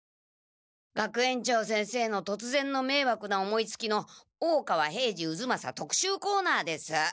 学園長先生のとつぜんのめいわくな思いつきの大川平次渦正特集コーナーです。